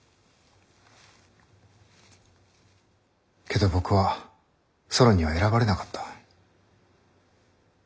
けど僕はソロンには選ばれなかった。